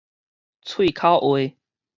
喙口話